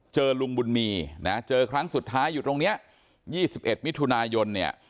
เจอลุงบุญมีนะเจอครั้งสุดท้ายอยู่ตรงนี้๒๑มิถุนายนเนี่ย